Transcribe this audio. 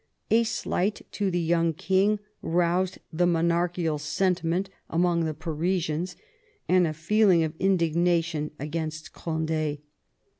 A slight to the young king roused the monarchical senti ment among the Parisians and a feeling of indignation against Cond^.